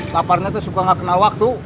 laparnya tuh suka gak kena waktu